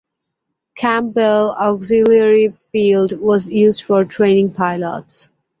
Campbell Auxiliary Field was used for training pilots.